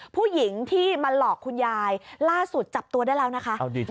ผู้หญิงที่มาหลอกคุณยายล่าสุดจับตัวได้แล้วนะคะ